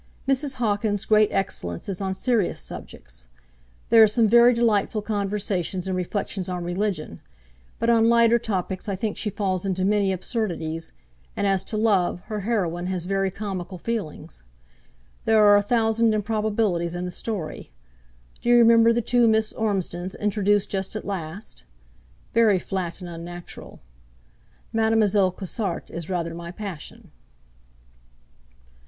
Mrs. Hawkins' great excellence is on serious subjects. There are some very delightful conversations and reflections on religion: but on lighter topics I think she falls into many absurdities; and, as to love, her heroine has very comical feelings. There are a thousand improbabilities in the story. Do you remember the two Miss Ormsdens introduced just at last? Very flat and unnatural. Madelle. Cossart is rather my passion.'